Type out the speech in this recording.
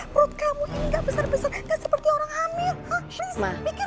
perut kamu ini gak besar besar seperti orang hamil mikir